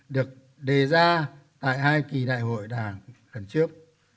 được đề ra tại hai kỳ đại hội đảng lần trước